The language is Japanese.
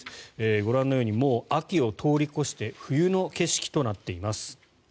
ご覧のようにもう秋を通り越して冬の景色となっています。